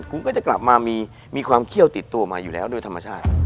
คุณก็จะกลับมามีความเขี้ยวติดตัวมาอยู่แล้วโดยธรรมชาติ